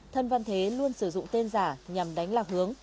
thân văn thế luôn sử dụng tên giả nhằm đánh lạc hướng